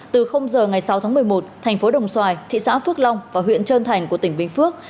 từ giờ ngày sáu tháng một mươi một thành phố đồng xoài thị xã phước long và huyện trơn thành của tỉnh bình phước